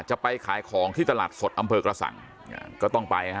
จะไปขายของที่ตลาดสดอำเภอกระสังก็ต้องไปฮะ